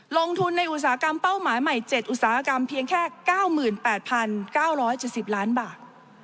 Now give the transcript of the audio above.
ลงทุนในอุตสาหกรรมเป้าหมายใหม่๗อุตสาหกรรมเพียงแค่๙๘๙๗๐ล้านบาท